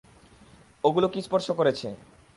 ওগুলো কী স্পর্শ করছে?